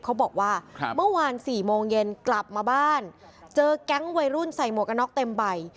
เขาบอกว่าเมื่อวาน๔โมงเย็นกลับมาบ้านเจอแก๊งวัยรุ่นใส่หมวกกันน็อกเต็มใบ